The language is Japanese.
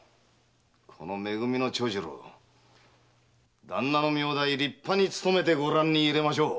このめ組の長次郎旦那の名代立派に務めてご覧に入れましょう。